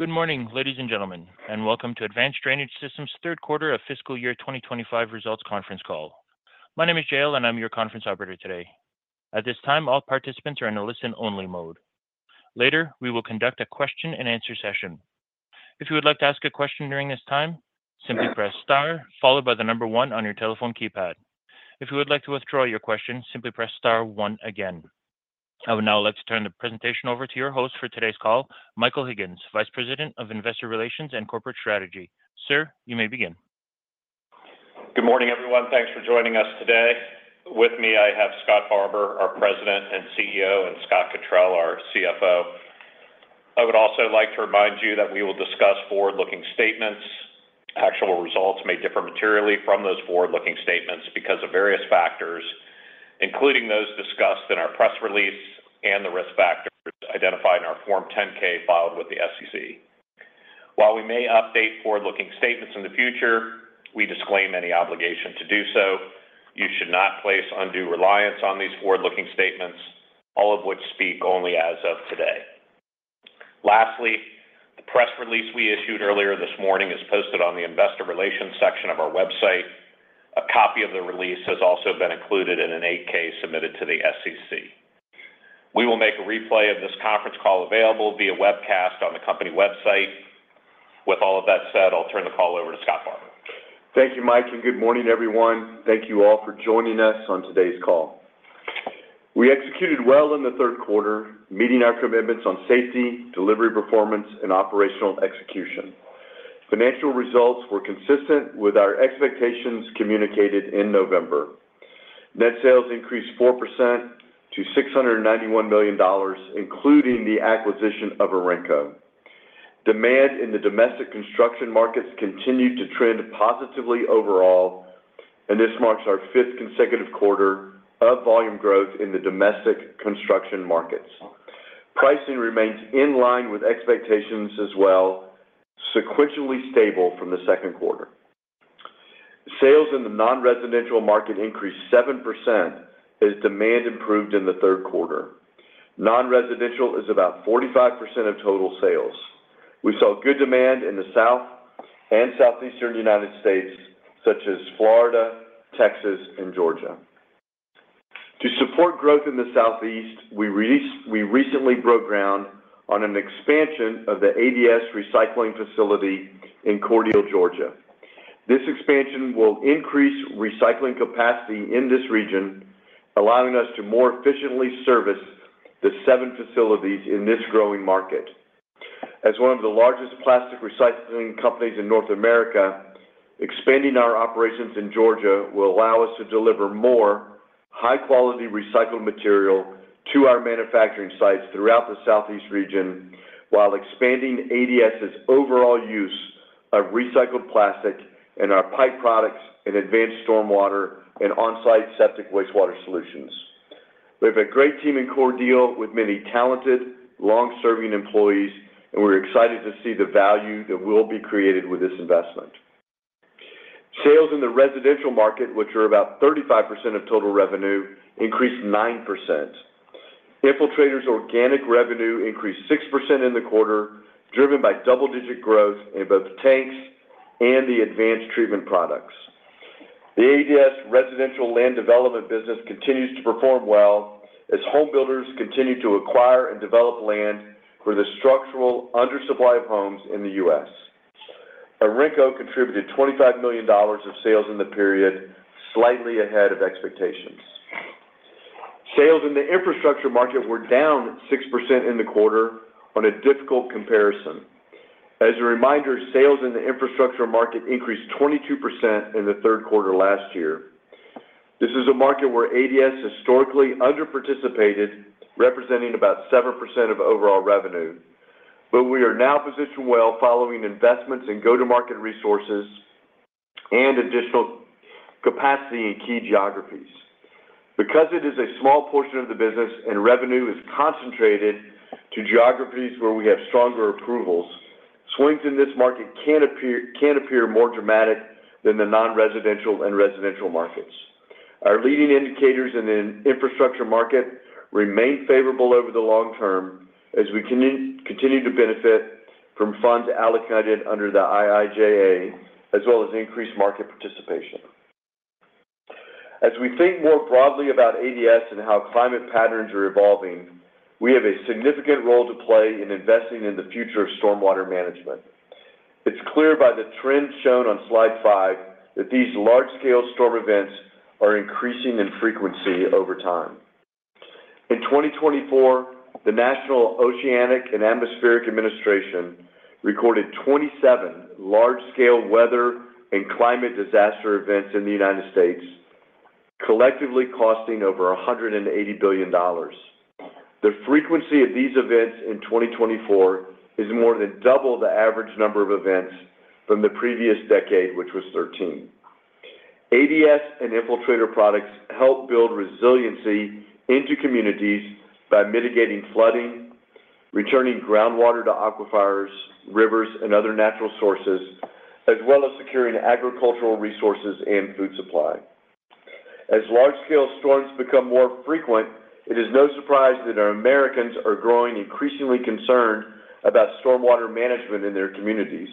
Good morning, ladies and gentlemen, and welcome to Advanced Drainage Systems' third quarter of fiscal year 2025 results conference call. My name is Jael, and I'm your conference operator today. At this time, all participants are in a listen-only mode. Later, we will conduct a question-and-answer session. If you would like to ask a question during this time, simply press star followed by the number one on your telephone keypad. If you would like to withdraw your question, simply press star one again. I would now like to turn the presentation over to your host for today's call, Michael Higgins, Vice President of Investor Relations and Corporate Strategy. Sir, you may begin. Good morning, everyone. Thanks for joining us today. With me, I have Scott Barbour, our President and CEO, and Scott Cottrill, our CFO. I would also like to remind you that we will discuss forward-looking statements. Actual results may differ materially from those forward-looking statements because of various factors, including those discussed in our press release and the risk factors identified in our Form 10-K filed with the SEC. While we may update forward-looking statements in the future, we disclaim any obligation to do so. You should not place undue reliance on these forward-looking statements, all of which speak only as of today. Lastly, the press release we issued earlier this morning is posted on the investor relations section of our website. A copy of the release has also been included in an 8-K submitted to the SEC. We will make a replay of this conference call available via webcast on the company website. With all of that said, I'll turn the call over to Scott Barbour. Thank you, Mike, and good morning, everyone. Thank you all for joining us on today's call. We executed well in the third quarter, meeting our commitments on safety, delivery performance, and operational execution. Financial results were consistent with our expectations communicated in November. Net sales increased 4% to $691 million, including the acquisition of Orenco. Demand in the domestic construction markets continued to trend positively overall, and this marks our fifth consecutive quarter of volume growth in the domestic construction markets. Pricing remains in line with expectations as well, sequentially stable from the second quarter. Sales in the non-residential market increased 7% as demand improved in the third quarter. Non-residential is about 45% of total sales. We saw good demand in the South and Southeastern United States, such as Florida, Texas, and Georgia. To support growth in the Southeast, we recently broke ground on an expansion of the ADS recycling facility in Cordele, Georgia. This expansion will increase recycling capacity in this region, allowing us to more efficiently service the seven facilities in this growing market. As one of the largest plastic recycling companies in North America, expanding our operations in Georgia will allow us to deliver more high-quality recycled material to our manufacturing sites throughout the Southeast region while expanding ADS's overall use of recycled plastic and our pipe products and advanced stormwater and onsite septic wastewater solutions. We have a great team in Cordele with many talented, long-serving employees, and we're excited to see the value that will be created with this investment. Sales in the residential market, which are about 35% of total revenue, increased 9%. Infiltrator's organic revenue increased 6% in the quarter, driven by double-digit growth in both tanks and the advanced treatment products. The ADS residential land development business continues to perform well as homebuilders continue to acquire and develop land for the structural undersupply of homes in the U.S. Orenco contributed $25 million of sales in the period, slightly ahead of expectations. Sales in the infrastructure market were down 6% in the quarter on a difficult comparison. As a reminder, sales in the infrastructure market increased 22% in the third quarter last year. This is a market where ADS historically underparticipated, representing about 7% of overall revenue, but we are now positioned well following investments in go-to-market resources and additional capacity in key geographies. Because it is a small portion of the business and revenue is concentrated to geographies where we have stronger approvals, swings in this market can appear more dramatic than the non-residential and residential markets. Our leading indicators in the infrastructure market remain favorable over the long term as we continue to benefit from funds allocated under the IIJA, as well as increased market participation. As we think more broadly about ADS and how climate patterns are evolving, we have a significant role to play in investing in the future of stormwater management. It's clear by the trend shown on slide five that these large-scale storm events are increasing in frequency over time. In 2024, the National Oceanic and Atmospheric Administration recorded 27 large-scale weather and climate disaster events in the United States, collectively costing over $180 billion. The frequency of these events in 2024 is more than double the average number of events from the previous decade, which was 2013. ADS and Infiltrator products help build resiliency into communities by mitigating flooding, returning groundwater to aquifers, rivers, and other natural sources, as well as securing agricultural resources and food supply. As large-scale storms become more frequent, it is no surprise that Americans are growing increasingly concerned about stormwater management in their communities.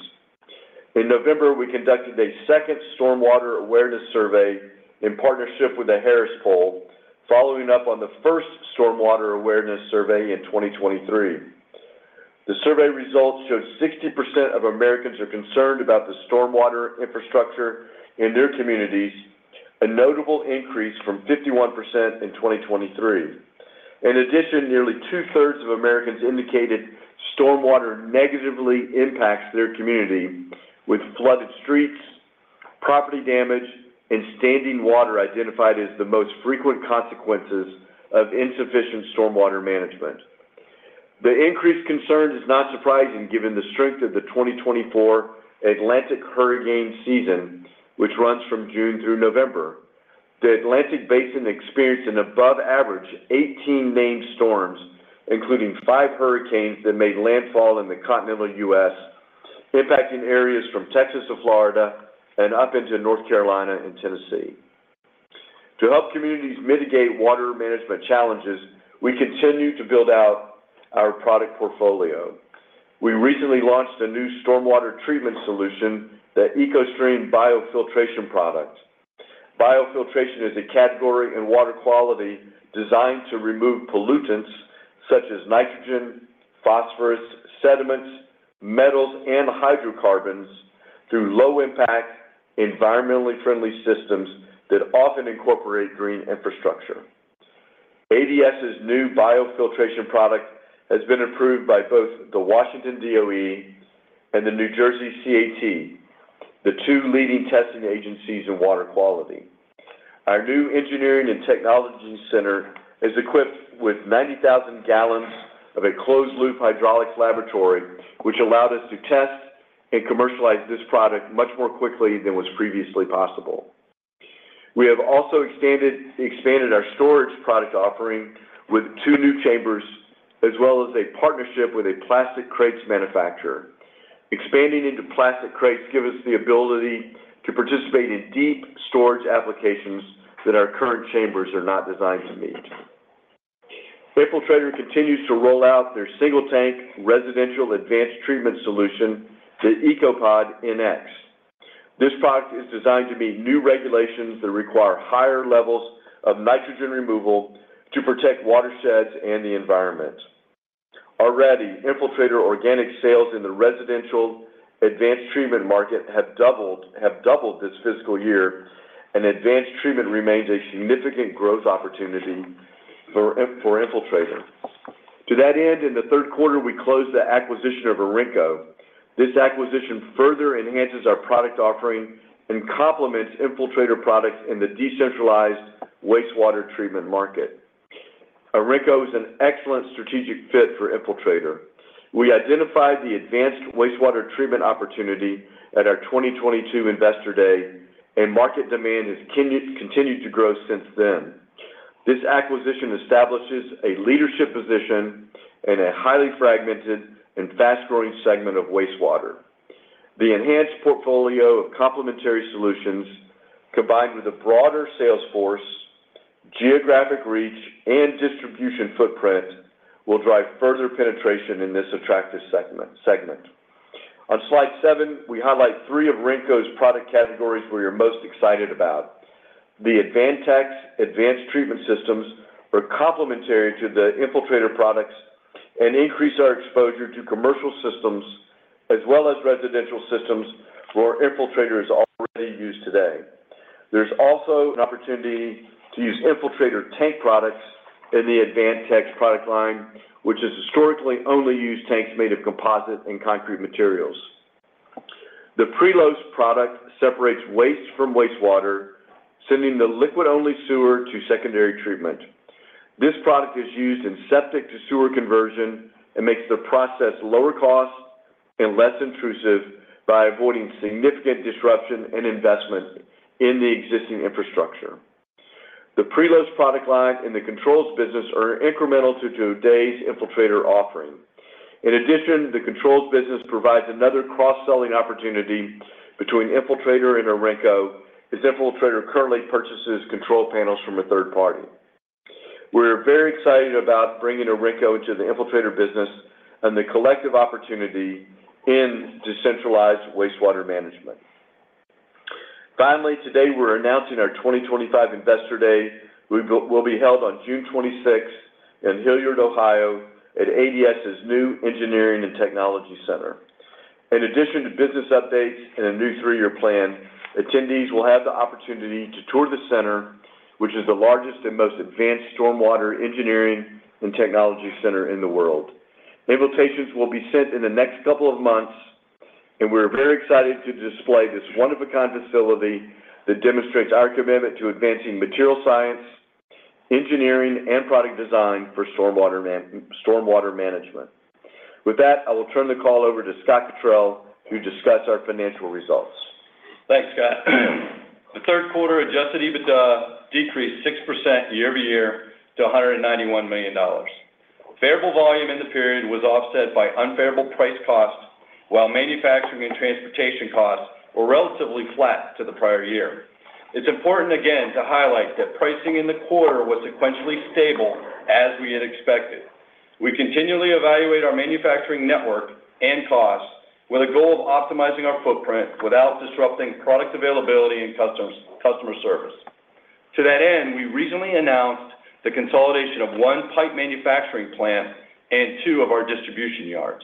In November, we conducted a second stormwater awareness survey in partnership with The Harris Poll, following up on the first stormwater awareness survey in 2023. The survey results showed 60% of Americans are concerned about the stormwater infrastructure in their communities, a notable increase from 51% in 2023. In addition, nearly two-thirds of Americans indicated stormwater negatively impacts their community, with flooded streets, property damage, and standing water identified as the most frequent consequences of insufficient stormwater management. The increased concern is not surprising given the strength of the 2024 Atlantic hurricane season, which runs from June through November. The Atlantic Basin experienced an above-average 18 named storms, including five hurricanes that made landfall in the continental U.S., impacting areas from Texas to Florida and up into North Carolina and Tennessee. To help communities mitigate water management challenges, we continue to build out our product portfolio. We recently launched a new stormwater treatment solution, the EcoStream Biofiltration product. Biofiltration is a category in water quality designed to remove pollutants such as nitrogen, phosphorus, sediments, metals, and hydrocarbons through low-impact, environmentally friendly systems that often incorporate green infrastructure. ADS's new biofiltration product has been approved by both the Washington DOE and the New Jersey CAT, the two leading testing agencies in water quality. Our new Engineering and Technology Center is equipped with 90,000 gallons of a closed-loop hydraulics laboratory, which allowed us to test and commercialize this product much more quickly than was previously possible. We have also expanded our storage product offering with two new chambers, as well as a partnership with a plastic crates manufacturer. Expanding into plastic crates gives us the ability to participate in deep storage applications that our current chambers are not designed to meet. Infiltrator continues to roll out their single-tank residential advanced treatment solution, the ECOPOD-NX. This product is designed to meet new regulations that require higher levels of nitrogen removal to protect watersheds and the environment. Already, Infiltrator organic sales in the residential advanced treatment market have doubled this fiscal year, and advanced treatment remains a significant growth opportunity for Infiltrator. To that end, in the third quarter, we closed the acquisition of Orenco. This acquisition further enhances our product offering and complements Infiltrator products in the decentralized wastewater treatment market. Orenco is an excellent strategic fit for Infiltrator. We identified the advanced wastewater treatment opportunity at our 2022 Investor Day, and market demand has continued to grow since then. This acquisition establishes a leadership position in a highly fragmented and fast-growing segment of wastewater. The enhanced portfolio of complementary solutions, combined with a broader salesforce, geographic reach, and distribution footprint, will drive further penetration in this attractive segment. On slide seven, we highlight three of Orenco's product categories we are most excited about. The AdvanTex Advanced Treatment Systems are complementary to the Infiltrator products and increase our exposure to commercial systems as well as residential systems where Infiltrator is already used today. There's also an opportunity to use Infiltrator tank products in the AdvanTex product line, which is historically only used tanks made of composite and concrete materials. The Prelos product separates waste from wastewater, sending the liquid-only sewer to secondary treatment. This product is used in septic-to-sewer conversion and makes the process lower cost and less intrusive by avoiding significant disruption and investment in the existing infrastructure. The Prelos product line and the Controls business are incremental to today's Infiltrator offering. In addition, the Controls business provides another cross-selling opportunity between Infiltrator and Orenco, as Infiltrator currently purchases control panels from a third party. We're very excited about bringing Orenco into the Infiltrator business and the collective opportunity in decentralized wastewater management. Finally, today we're announcing our 2025 Investor Day, which will be held on June 26th in Hilliard, Ohio, at ADS's new engineering and technology center. In addition to business updates and a new three-year plan, attendees will have the opportunity to tour the center, which is the largest and most advanced stormwater engineering and technology center in the world. Invitations will be sent in the next couple of months, and we're very excited to display this one-of-a-kind facility that demonstrates our commitment to advancing material science, engineering, and product design for stormwater management. With that, I will turn the call over to Scott Cottrill, who will discuss our financial results. Thanks, Scott. The third quarter adjusted EBITDA decreased 6% year-over-year to $191 million. Variable volume in the period was offset by unfavorable price costs, while manufacturing and transportation costs were relatively flat to the prior year. It's important again to highlight that pricing in the quarter was sequentially stable as we had expected. We continually evaluate our manufacturing network and costs with a goal of optimizing our footprint without disrupting product availability and customer service. To that end, we recently announced the consolidation of one pipe manufacturing plant and two of our distribution yards.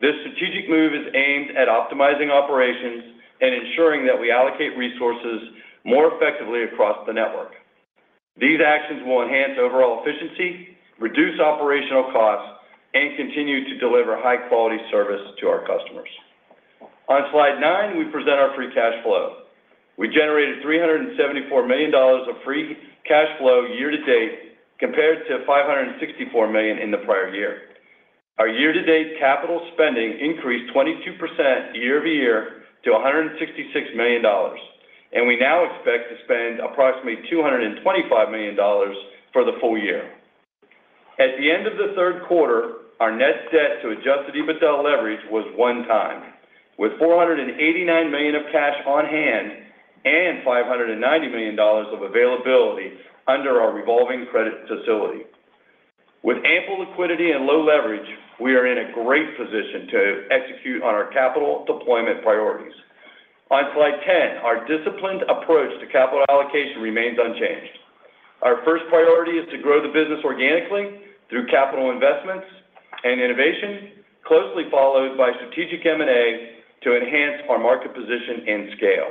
This strategic move is aimed at optimizing operations and ensuring that we allocate resources more effectively across the network. These actions will enhance overall efficiency, reduce operational costs, and continue to deliver high-quality service to our customers. On slide nine, we present our free cash flow. We generated $374 million of free cash flow year-to-date compared to $564 million in the prior year. Our year-to-date capital spending increased 22% year-over-year to $166 million, and we now expect to spend approximately $225 million for the full year. At the end of the third quarter, our net debt to adjusted EBITDA leverage was one time, with $489 million of cash on hand and $590 million of availability under our revolving credit facility. With ample liquidity and low leverage, we are in a great position to execute on our capital deployment priorities. On slide 10, our disciplined approach to capital allocation remains unchanged. Our first priority is to grow the business organically through capital investments and innovation, closely followed by strategic M&A to enhance our market position and scale.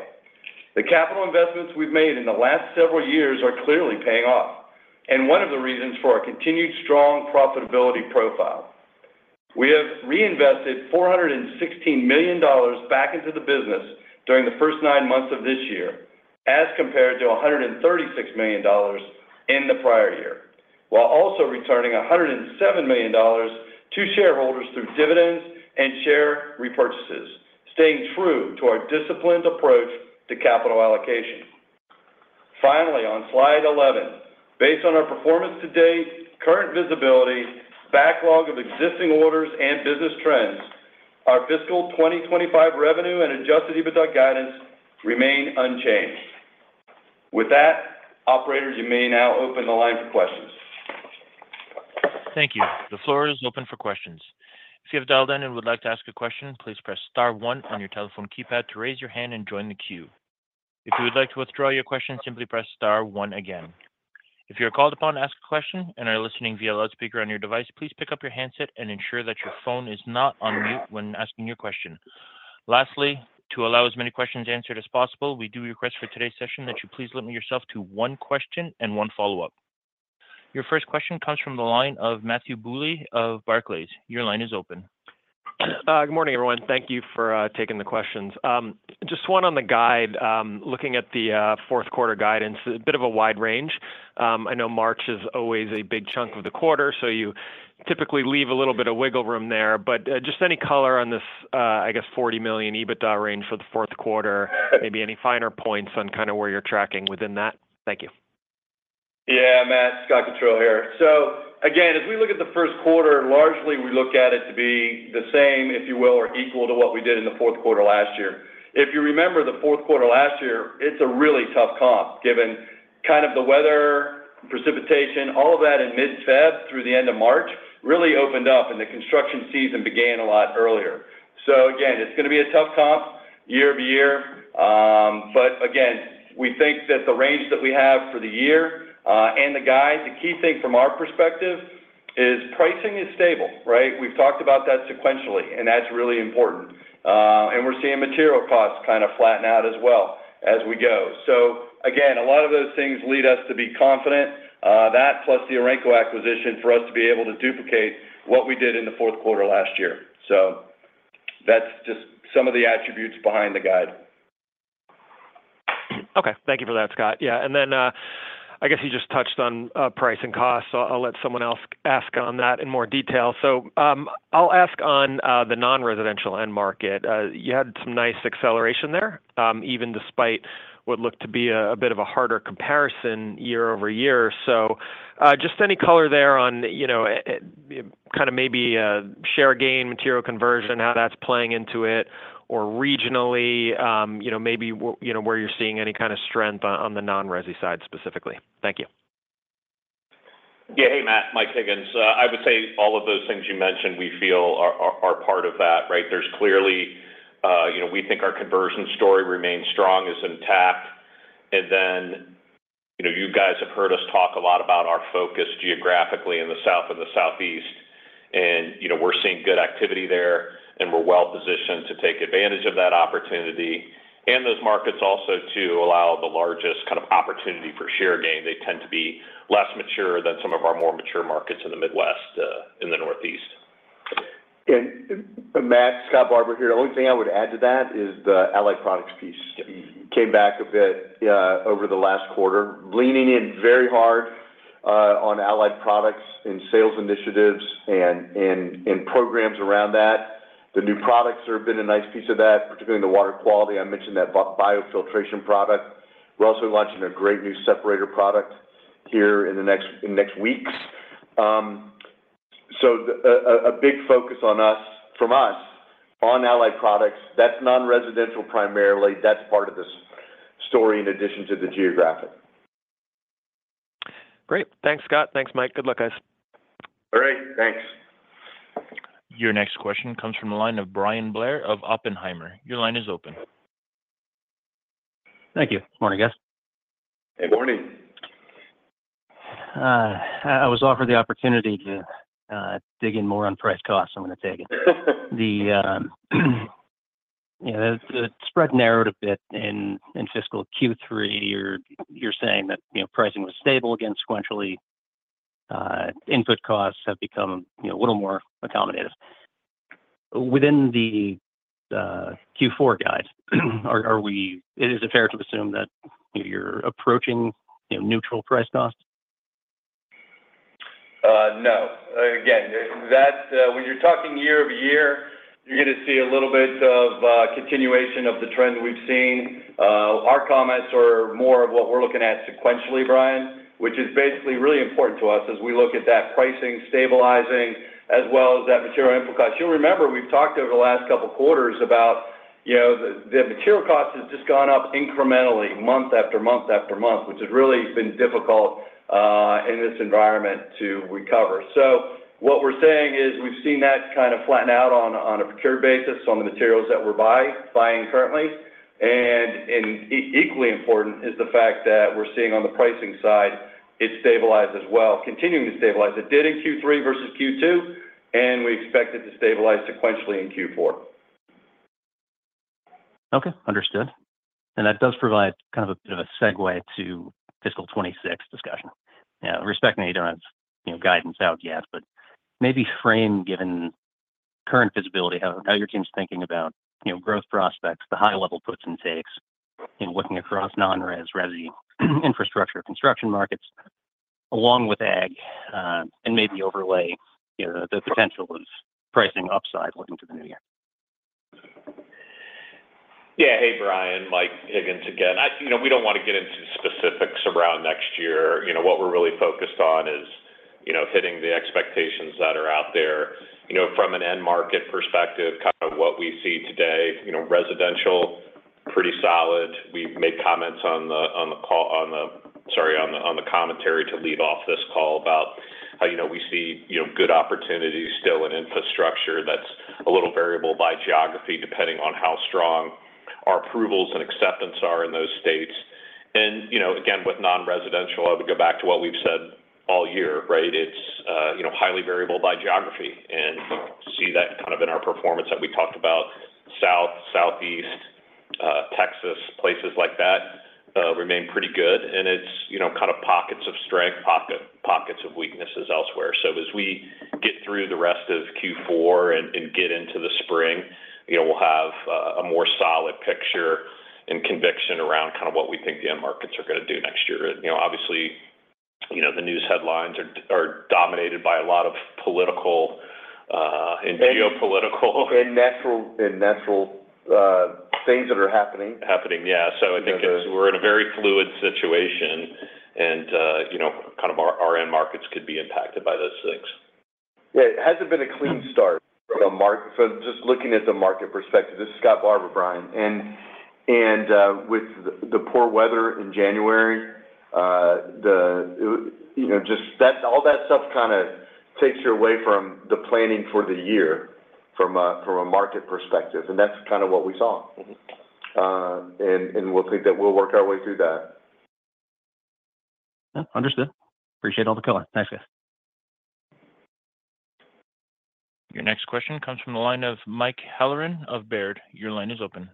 The capital investments we've made in the last several years are clearly paying off, and one of the reasons for our continued strong profitability profile. We have reinvested $416 million back into the business during the first nine months of this year, as compared to $136 million in the prior year, while also returning $107 million to shareholders through dividends and share repurchases, staying true to our disciplined approach to capital allocation. Finally, on slide 11, based on our performance to date, current visibility, backlog of existing orders, and business trends, our fiscal 2025 revenue and adjusted EBITDA guidance remain unchanged. With that, Operator, you may now open the line for questions. Thank you. The floor is open for questions. If you have dialed in and would like to ask a question, please press star one on your telephone keypad to raise your hand and join the queue. If you would like to withdraw your question, simply press star one again. If you're called upon to ask a question and are listening via loudspeaker on your device, please pick up your handset and ensure that your phone is not on mute when asking your question. Lastly, to allow as many questions answered as possible, we do request for today's session that you please limit yourself to one question and one follow-up. Your first question comes from the line of Matthew Bouley of Barclays. Your line is open. Good morning, everyone. Thank you for taking the questions. Just one on the guide, looking at the fourth quarter guidance, a bit of a wide range. I know March is always a big chunk of the quarter, so you typically leave a little bit of wiggle room there. But just any color on this, I guess, $40 million EBITDA range for the fourth quarter, maybe any finer points on kind of where you're tracking within that? Thank you. Yeah, Matt, Scott Cottrill here. So again, as we look at the first quarter, largely we look at it to be the same, if you will, or equal to what we did in the fourth quarter last year. If you remember the fourth quarter last year, it's a really tough comp given kind of the weather, precipitation, all of that in mid-February through the end of March really opened up and the construction season began a lot earlier. So again, it's going to be a tough comp year-over-year. But again, we think that the range that we have for the year and the guide, the key thing from our perspective, is pricing is stable, right? We've talked about that sequentially, and that's really important. And we're seeing material costs kind of flatten out as well as we go. So again, a lot of those things lead us to be confident, that plus the Orenco acquisition for us to be able to duplicate what we did in the fourth quarter last year. So that's just some of the attributes behind the guide. Okay. Thank you for that, Scott. Yeah, and then I guess you just touched on price and cost. I'll let someone else ask on that in more detail, so I'll ask on the non-residential end market. You had some nice acceleration there, even despite what looked to be a bit of a harder comparison year-over-year, so just any color there on kind of maybe share gain, material conversion, how that's playing into it, or regionally, maybe where you're seeing any kind of strength on the non-resi side specifically. Thank you. Yeah. Hey, Matt, Mike Higgins. I would say all of those things you mentioned, we feel, are part of that, right? There's clearly we think our conversion story remains strong, is intact. And then you guys have heard us talk a lot about our focus geographically in the south and the southeast. And we're seeing good activity there, and we're well-positioned to take advantage of that opportunity. And those markets also to allow the largest kind of opportunity for share gain. They tend to be less mature than some of our more mature markets in the Midwest, in the Northeast. And Matt, Scott Barbour here. The only thing I would add to that is the Allied products piece came back a bit over the last quarter, leaning in very hard on Allied products and sales initiatives and programs around that. The new products have been a nice piece of that, particularly in the water quality. I mentioned that biofiltration product. We're also launching a great new separator product here in the next weeks. So a big focus from us on Allied products. That's non-residential primarily. That's part of this story in addition to the geographic. Great. Thanks, Scott. Thanks, Mike. Good luck, guys. All right. Thanks. Your next question comes from the line of Bryan Blair of Oppenheimer. Your line is open. Thank you. Good morning, guys. Hey, morning. I was offered the opportunity to dig in more on price costs. I'm going to take it. Yeah, the spread narrowed a bit in fiscal Q3. You're saying that pricing was stable again sequentially. Input costs have become a little more accommodative. Within the Q4 guide, is it fair to assume that you're approaching neutral price cost? No. Again, when you're talking year-over-year, you're going to see a little bit of continuation of the trend we've seen. Our comments are more of what we're looking at sequentially, Bryan, which is basically really important to us as we look at that pricing stabilizing as well as that material input cost. You'll remember we've talked over the last couple of quarters about the material costs have just gone up incrementally month after month after month, which has really been difficult in this environment to recover. So what we're saying is we've seen that kind of flatten out on a procured basis on the materials that we're buying currently. And equally important is the fact that we're seeing on the pricing side, it stabilized as well, continuing to stabilize. It did in Q3 versus Q2, and we expect it to stabilize sequentially in Q4. Okay. Understood. And that does provide kind of a bit of a segue to fiscal 2026 discussion. Respecting that you don't have guidance out yet, but maybe frame, given current visibility, how your team's thinking about growth prospects, the high-level puts and takes, looking across non-res, resi, infrastructure, construction markets, along with ag, and maybe overlay the potential of pricing upside looking to the new year. Yeah. Hey, Brian, Mike Higgins again. We don't want to get into specifics around next year. What we're really focused on is hitting the expectations that are out there from an end market perspective, kind of what we see today. Residential, pretty solid. We've made comments on the, sorry, on the commentary to lead off this call about how we see good opportunities still in infrastructure that's a little variable by geography, depending on how strong our approvals and acceptance are in those states. And again, with non-residential, I would go back to what we've said all year, right? It's highly variable by geography. And see that kind of in our performance that we talked about, south, southeast, Texas, places like that remain pretty good. And it's kind of pockets of strength, pockets of weaknesses elsewhere. So as we get through the rest of Q4 and get into the spring, we'll have a more solid picture and conviction around kind of what we think the end markets are going to do next year. Obviously, the news headlines are dominated by a lot of political and geopolitical. Natural things that are happening. Happening, yeah. So I think we're in a very fluid situation, and kind of our end markets could be impacted by those things. Yeah. It hasn't been a clean start, so just looking at the market perspective, this is Scott Barbour, Brian, and with the poor weather in January, just all that stuff kind of takes you away from the planning for the year from a market perspective, and that's kind of what we saw, and we'll think that we'll work our way through that. Understood. Appreciate all the color. Thanks, guys. Your next question comes from the line of Mike Halloran of Baird. Your line is open.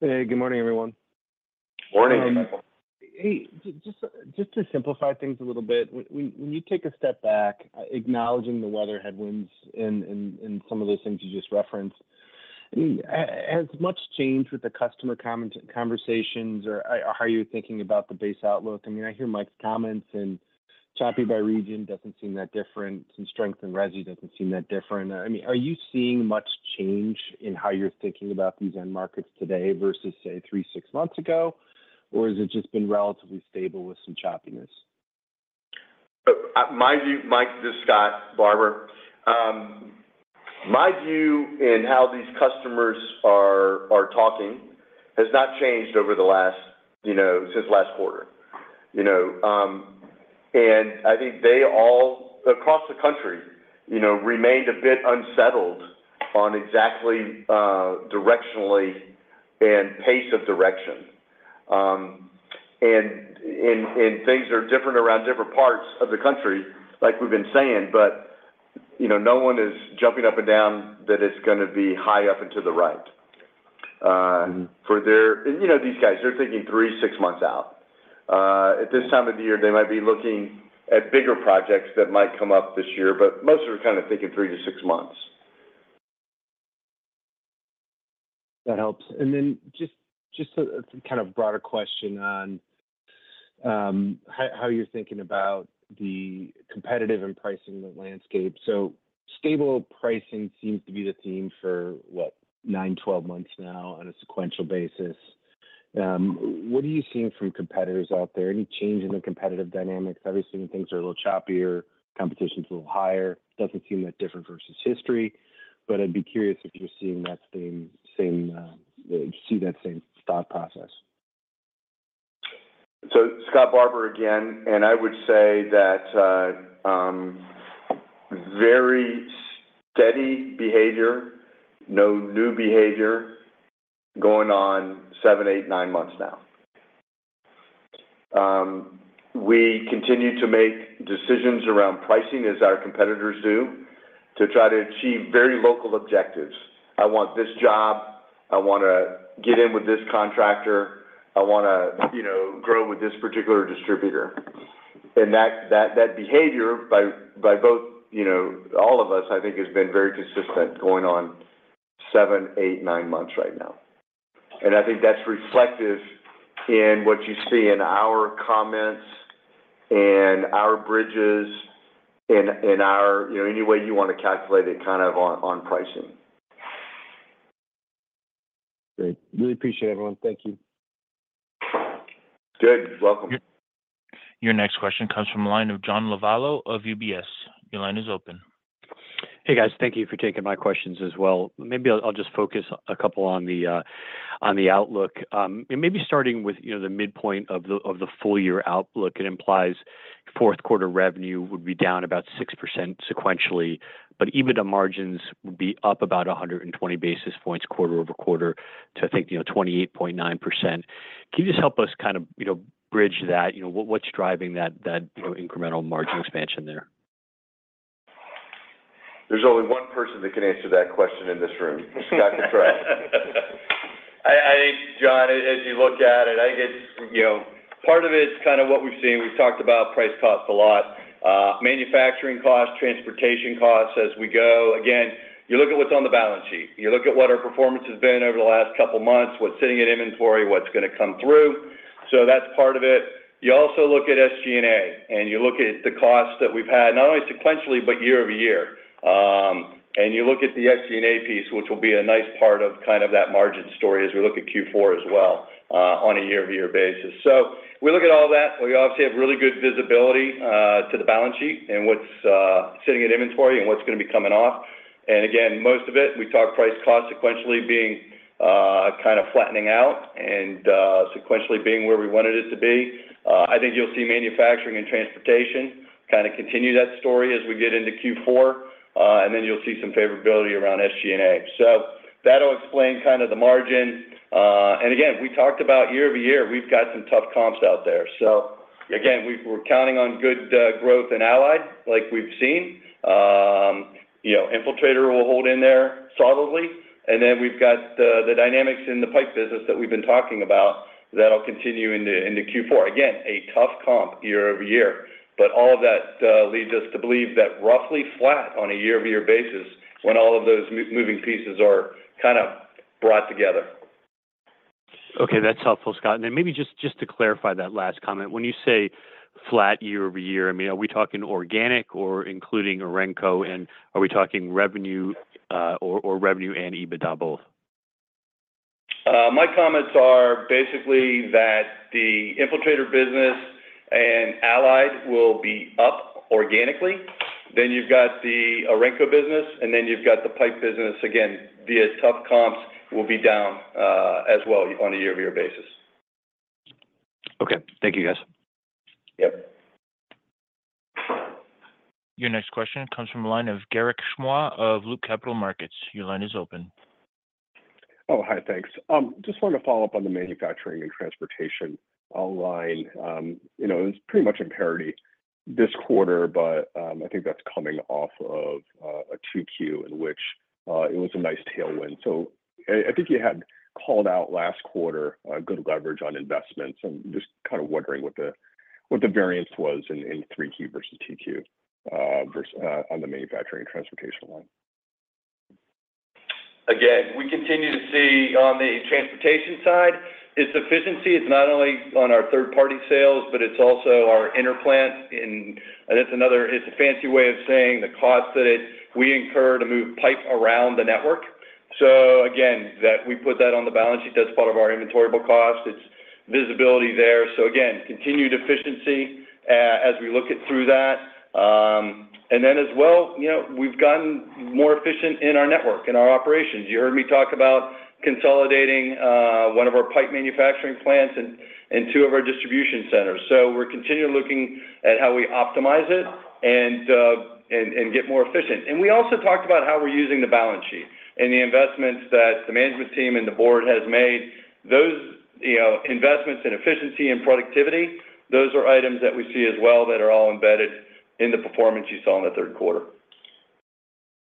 Hey, good morning, everyone. Morning. Hey, just to simplify things a little bit, when you take a step back, acknowledging the weather headwinds and some of those things you just referenced, has much changed with the customer conversations or how you're thinking about the base outlook? I mean, I hear Mike's comments, and choppy by region doesn't seem that different, and strength in resi doesn't seem that different. I mean, are you seeing much change in how you're thinking about these end markets today versus, say, three, six months ago? Or has it just been relatively stable with some choppiness? My view, Mike, this is Scott Barbour, my view on how these customers are talking has not changed since last quarter. I think they all, across the country, remain a bit unsettled on exactly the direction and pace of direction. Things are different around different parts of the country, like we've been saying, but no one is jumping up and down that it's going to be high up and to the right. And these guys, they're thinking three, six months out. At this time of the year, they might be looking at bigger projects that might come up this year, but most of them are kind of thinking three to six months. That helps. And then just a kind of broader question on how you're thinking about the competitive and pricing landscape. So stable pricing seems to be the theme for, what, nine, 12 months now on a sequential basis. What are you seeing from competitors out there? Any change in the competitive dynamics? I've been seeing things are a little choppier, competition's a little higher. Doesn't seem that different versus history. But I'd be curious if you're seeing that same-see that same thought process. So, Scott Barbour, again, and I would say that very steady behavior, no new behavior going on seven, eight, nine months now. We continue to make decisions around pricing as our competitors do to try to achieve very local objectives. I want this job. I want to get in with this contractor. I want to grow with this particular distributor. And that behavior by both all of us, I think, has been very consistent going on seven, eight, nine months right now. And I think that's reflective in what you see in our comments and our bridges and any way you want to calculate it kind of on pricing. Great. Really appreciate it, everyone. Thank you. Good. You're welcome. Your next question comes from the line of John Lovallo of UBS. Your line is open. Hey, guys. Thank you for taking my questions as well. Maybe I'll just focus a couple on the outlook. Maybe starting with the midpoint of the full-year outlook, it implies fourth quarter revenue would be down about 6% sequentially, but EBITDA margins would be up about 120 basis points quarter over quarter to, I think, 28.9%. Can you just help us kind of bridge that? What's driving that incremental margin expansion there? There's only one person that can answer that question in this room: Scott Cottrill. I think, John, as you look at it, I think part of it's kind of what we've seen. We've talked about price costs a lot: manufacturing costs, transportation costs as we go. Again, you look at what's on the balance sheet. You look at what our performance has been over the last couple of months, what's sitting in inventory, what's going to come through. So that's part of it. You also look at SG&A, and you look at the costs that we've had, not only sequentially, but year-over-year, and you look at the SG&A piece, which will be a nice part of kind of that margin story as we look at Q4 as well on a year-over-year basis. So we look at all that. We obviously have really good visibility to the balance sheet and what's sitting in inventory and what's going to be coming off, and again, most of it, we talk price costs sequentially being kind of flattening out and sequentially being where we wanted it to be. I think you'll see manufacturing and transportation kind of continue that story as we get into Q4, and then you'll see some favorability around SG&A. So that'll explain kind of the margin, and again, we talked about year-over-year. We've got some tough comps out there, so again, we're counting on good growth in Allied like we've seen. Infiltrator will hold in there solidly, and then we've got the dynamics in the pipe business that we've been talking about that'll continue into Q4, again, a tough comp year-over-year. But all of that leads us to believe that roughly flat on a year-over-year basis when all of those moving pieces are kind of brought together. Okay. That's helpful, Scott. And then maybe just to clarify that last comment. When you say flat year-over-year, I mean, are we talking organic or including Orenco, and are we talking revenue or revenue and EBITDA both? My comments are basically that the Infiltrator business and ADS will be up organically. Then you've got the Orenco business, and then you've got the Pipe business. Again, the tough comps will be down as well on a year-over-year basis. Okay. Thank you, guys. Yep. Your next question comes from the line of Garik Shmois of Loop Capital Markets. Your line is open. Oh, hi. Thanks. Just wanted to follow up on the manufacturing and transportation line. It was pretty much in parity this quarter, but I think that's coming off of a 2Q in which it was a nice tailwind. So I think you had called out last quarter good leverage on investments. I'm just kind of wondering what the variance was in 3Q versus 2Q on the manufacturing and transportation line? Again, we continue to see on the transportation side, its efficiency is not only on our third-party sales, but it's also our interplant. And it's a fancy way of saying the cost that we incur to move pipe around the network. So again, we put that on the balance sheet as part of our inventoriable cost. It's visibility there. So again, continued efficiency as we look through that. And then as well, we've gotten more efficient in our network, in our operations. You heard me talk about consolidating one of our pipe manufacturing plants and two of our distribution centers. So we're continually looking at how we optimize it and get more efficient. And we also talked about how we're using the balance sheet and the investments that the management team and the board has made. Those investments in efficiency and productivity, those are items that we see as well that are all embedded in the performance you saw in the third quarter.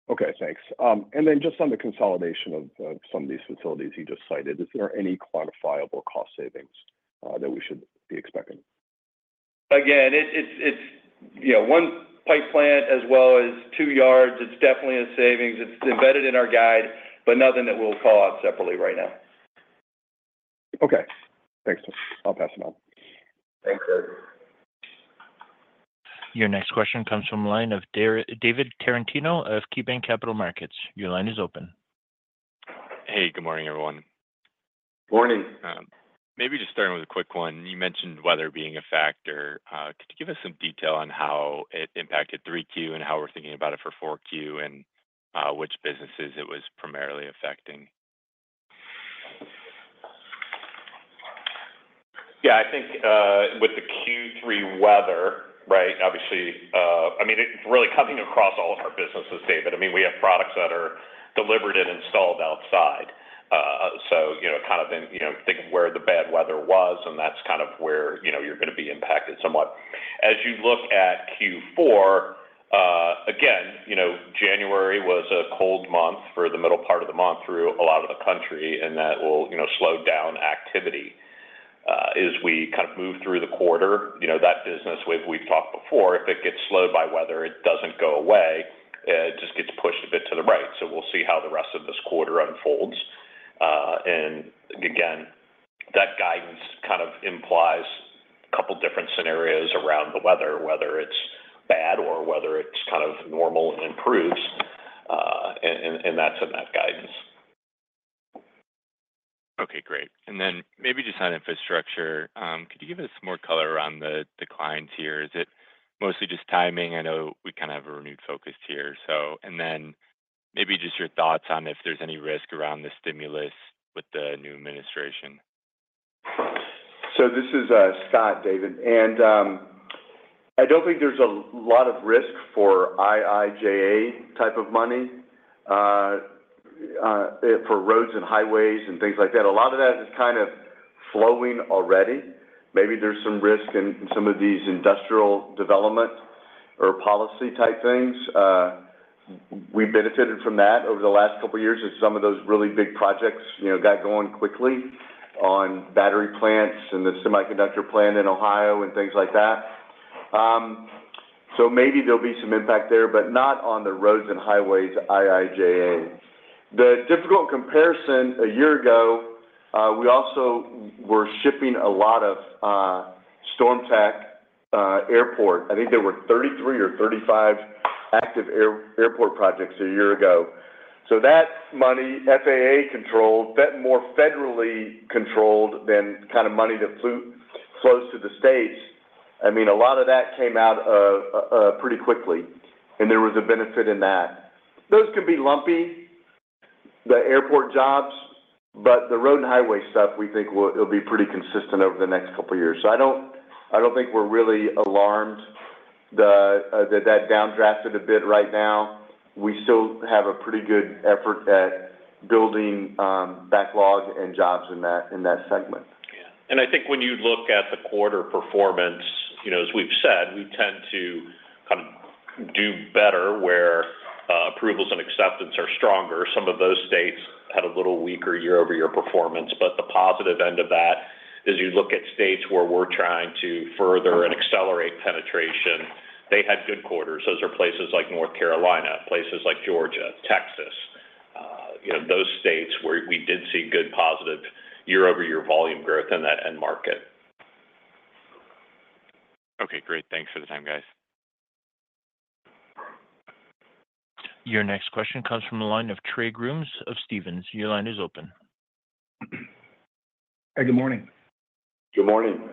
Okay. Thanks. And then just on the consolidation of some of these facilities you just cited, is there any quantifiable cost savings that we should be expecting? Again, it's one pipe plant as well as two yards. It's definitely a savings. It's embedded in our guide, but nothing that we'll call out separately right now. Okay. Thanks. I'll pass it on. Thanks, guys. Your next question comes from the line of David Tarantino of KeyBanc Capital Markets. Your line is open. Hey, good morning, everyone. Morning. Maybe just starting with a quick one. You mentioned weather being a factor. Could you give us some detail on how it impacted 3Q and how we're thinking about it for 4Q and which businesses it was primarily affecting? Yeah. I think with the Q3 weather, right, obviously, I mean, it's really coming across all of our businesses, David. I mean, we have products that are delivered and installed outside. So kind of think of where the bad weather was, and that's kind of where you're going to be impacted somewhat. As you look at Q4, again, January was a cold month for the middle part of the month through a lot of the country, and that will slow down activity as we kind of move through the quarter. That business we've talked before, if it gets slowed by weather, it doesn't go away. It just gets pushed a bit to the right. So we'll see how the rest of this quarter unfolds. And again, that guidance kind of implies a couple of different scenarios around the weather, whether it's bad or whether it's kind of normal and improves. That's in that guidance. Okay. Great. And then maybe just on infrastructure, could you give us more color around the declines here? Is it mostly just timing? I know we kind of have a renewed focus here. And then maybe just your thoughts on if there's any risk around the stimulus with the new administration? This is Scott, David. I don't think there's a lot of risk for IIJA type of money for roads and highways and things like that. A lot of that is kind of flowing already. Maybe there's some risk in some of these industrial development or policy-type things. We benefited from that over the last couple of years as some of those really big projects got going quickly on battery plants and the semiconductor plant in Ohio and things like that. Maybe there'll be some impact there, but not on the roads and highways IIJA. The difficult comparison a year ago, we also were shipping a lot of StormTech airport. I think there were 33 or 35 active airport projects a year ago. So that money, FAA-controlled, more federally controlled than kind of money that flows to the states, I mean, a lot of that came out pretty quickly, and there was a benefit in that. Those can be lumpy, the airport jobs, but the road and highway stuff, we think it'll be pretty consistent over the next couple of years. So I don't think we're really alarmed that that downdrafted a bit right now. We still have a pretty good effort at building backlog and jobs in that segment. Yeah. And I think when you look at the quarter performance, as we've said, we tend to kind of do better where approvals and acceptance are stronger. Some of those states had a little weaker year-over-year performance. But the positive end of that is you look at states where we're trying to further and accelerate penetration. They had good quarters. Those are places like North Carolina, places like Georgia, Texas. Those states where we did see good positive year-over-year volume growth in that end market. Okay. Great. Thanks for the time, guys. Your next question comes from the line of Trey Grooms of Stephens. Your line is open. Hey, good morning. Good morning.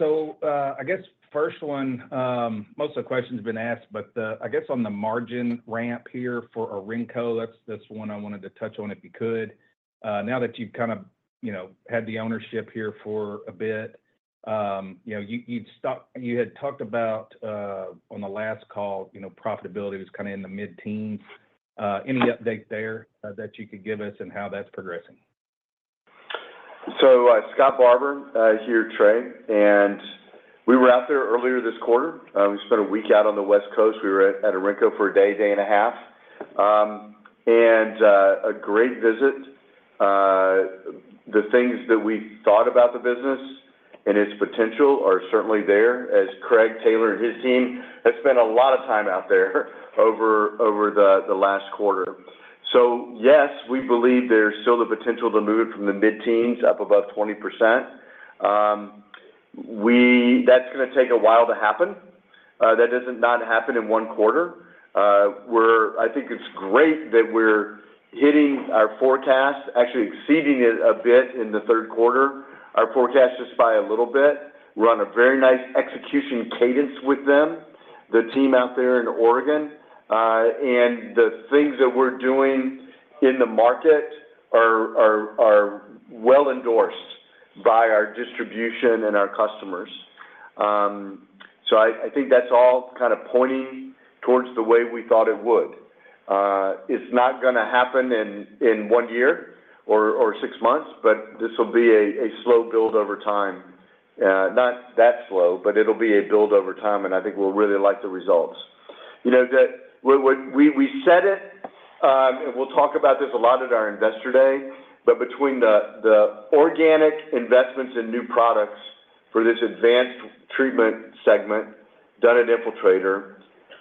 I guess first one, most of the questions have been asked, but I guess on the margin ramp here for Orenco, that's one I wanted to touch on if you could. Now that you've kind of had the ownership here for a bit, you had talked about on the last call, profitability was kind of in the mid-teens. Any update there that you could give us and how that's progressing? Scott Barbour here, Trey. We were out there earlier this quarter. We spent a week out on the West Coast. We were at Orenco for a day, day and a half. It was a great visit. The things that we thought about the business and its potential are certainly there. Craig Taylor and his team spent a lot of time out there over the last quarter. Yes, we believe there's still the potential to move it from the mid-teens up above 20%. That's going to take a while to happen. That does not happen in one quarter. I think it's great that we're hitting our forecast, actually exceeding it a bit in the third quarter, our forecast just by a little bit. We're on a very nice execution cadence with them, the team out there in Oregon. The things that we're doing in the market are well endorsed by our distribution and our customers. So I think that's all kind of pointing towards the way we thought it would. It's not going to happen in one year or six months, but this will be a slow build over time. Not that slow, but it'll be a build over time, and I think we'll really like the results. We said it, and we'll talk about this a lot at our Investor Day, but between the organic investments and new products for this advanced treatment segment done at Infiltrator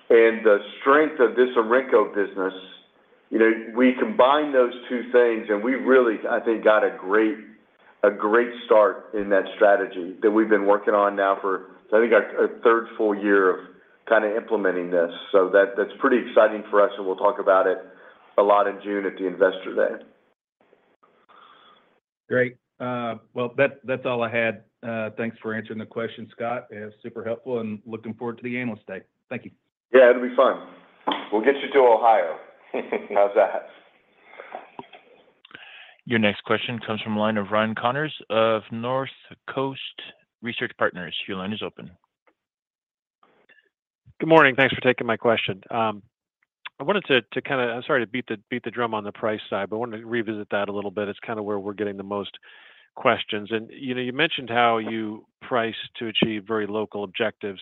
and the strength of this Orenco business, we combine those two things, and we really, I think, got a great start in that strategy that we've been working on now for, I think, our third full year of kind of implementing this. So that's pretty exciting for us, and we'll talk about it a lot in June at the Investor Day. Great. Well, that's all I had. Thanks for answering the question, Scott. It's super helpful, and looking forward to the analyst day. Thank you. Yeah. It'll be fun. We'll get you to Ohio. How's that? Your next question comes from the line of Ryan Connors of Northcoast Research Partners. Your line is open. Good morning. Thanks for taking my question. I wanted to kind of, I'm sorry to beat the drum on the price side, but I wanted to revisit that a little bit. It's kind of where we're getting the most questions. And you mentioned how you price to achieve very local objectives.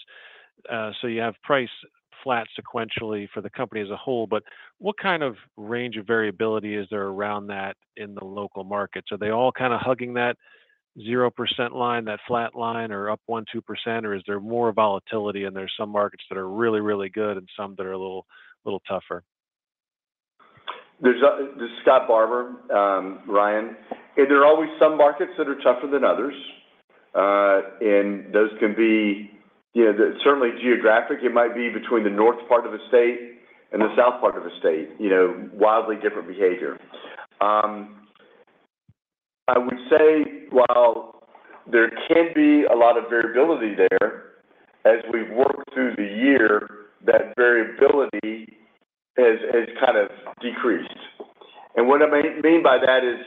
So you have price flat sequentially for the company as a whole, but what kind of range of variability is there around that in the local markets? Are they all kind of hugging that 0% line, that flat line, or up 1%, 2%, or is there more volatility? And there's some markets that are really, really good and some that are a little tougher. There are always some markets that are tougher than others, and those can be certainly geographic. It might be between the north part of a state and the south part of a state, wildly different behavior. I would say while there can be a lot of variability there, as we've worked through the year, that variability has kind of decreased, and what I mean by that is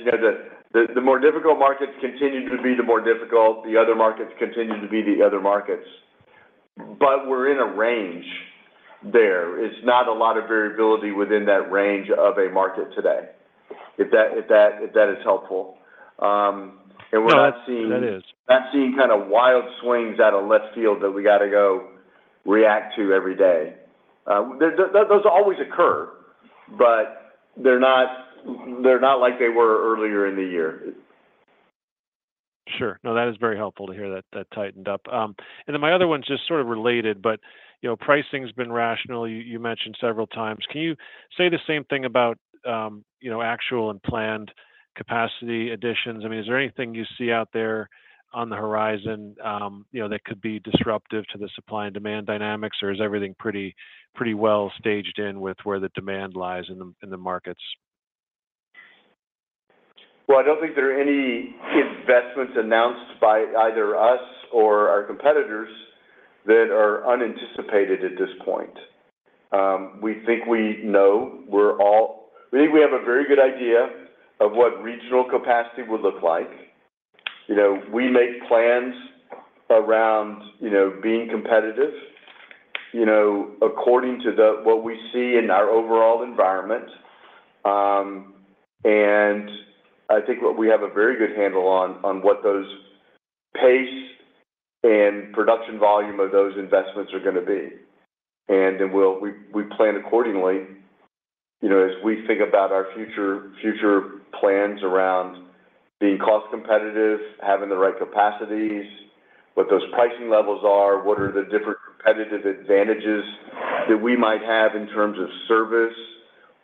the more difficult markets continue to be the more difficult, the other markets continue to be the other markets, but we're in a range there. It's not a lot of variability within that range of a market today, if that is helpful, and we're not seeing kind of wild swings out of left field that we got to go react to every day. Those always occur, but they're not like they were earlier in the year. Sure. No, that is very helpful to hear that that tightened up. And then my other one's just sort of related, but pricing's been rational. You mentioned several times. Can you say the same thing about actual and planned capacity additions? I mean, is there anything you see out there on the horizon that could be disruptive to the supply and demand dynamics, or is everything pretty well staged in with where the demand lies in the markets? Well, I don't think there are any investments announced by either us or our competitors that are unanticipated at this point. We think we know. We think we have a very good idea of what regional capacity would look like. We make plans around being competitive according to what we see in our overall environment. And I think we have a very good handle on what those pace and production volume of those investments are going to be. And then we plan accordingly as we think about our future plans around being cost competitive, having the right capacities, what those pricing levels are, what are the different competitive advantages that we might have in terms of service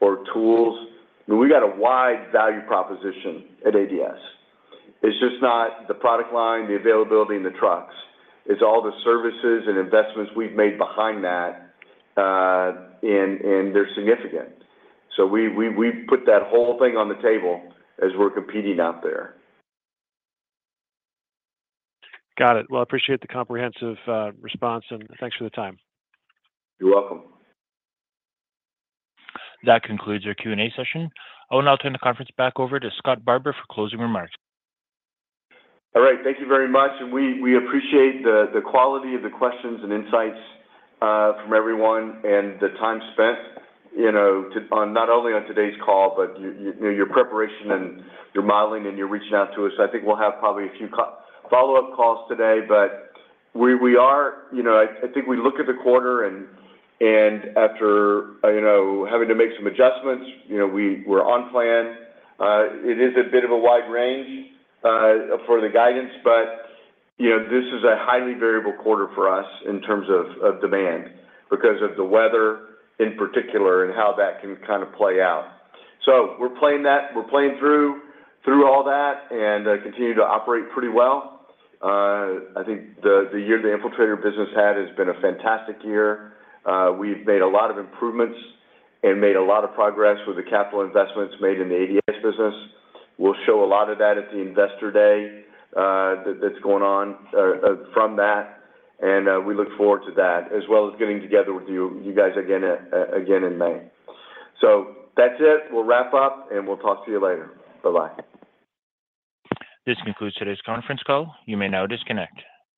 or tools. I mean, we got a wide value proposition at ADS. It's just not the product line, the availability, and the trucks. It's all the services and investments we've made behind that, and they're significant. So we put that whole thing on the table as we're competing out there. Got it. Well, I appreciate the comprehensive response, and thanks for the time. You're welcome. That concludes our Q&A session. I'll now turn the conference back over to Scott Barbour for closing remarks. All right. Thank you very much, and we appreciate the quality of the questions and insights from everyone and the time spent not only on today's call, but your preparation and your modeling and your reaching out to us. I think we'll have probably a few follow-up calls today, but we are. I think we look at the quarter, and after having to make some adjustments, we're on plan. It is a bit of a wide range for the guidance, but this is a highly variable quarter for us in terms of demand because of the weather in particular and how that can kind of play out, so we're playing through all that and continue to operate pretty well. I think the year the Infiltrator business has been a fantastic year. We've made a lot of improvements and made a lot of progress with the capital investments made in the ADS business. We'll show a lot of that at the Investor Day that's going on from that, and we look forward to that, as well as getting together with you guys again in May. So that's it. We'll wrap up, and we'll talk to you later. Bye-bye. This concludes today's conference call. You may now disconnect.